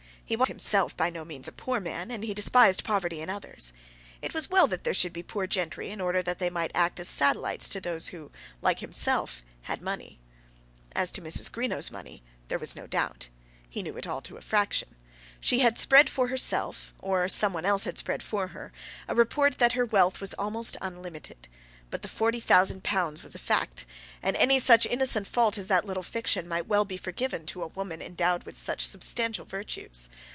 He was himself by no means a poor man, and he despised poverty in others. It was well that there should be poor gentry, in order that they might act as satellites to those who, like himself, had money. As to Mrs. Greenow's money, there was no doubt. He knew it all to a fraction. She had spread for herself, or some one else had spread for her, a report that her wealth was almost unlimited; but the forty thousand pounds was a fact, and any such innocent fault as that little fiction might well be forgiven to a woman endorsed with such substantial virtues.